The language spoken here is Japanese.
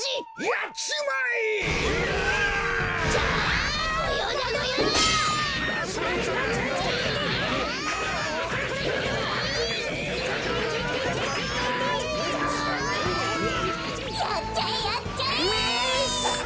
やっちゃえやっちゃえ！